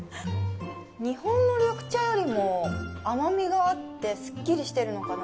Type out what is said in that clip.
日本の緑茶よりも甘みがあって、すっきりしてるのかな？